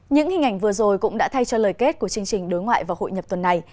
những hình ảnh vừa rồi cũng đã thay cho lời kết của chương trình đối ngoại và hội nhập tuần này